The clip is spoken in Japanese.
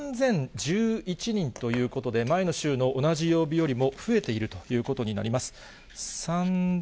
３０１１人ということで、前の週の同じ曜日よりも増えているということになります。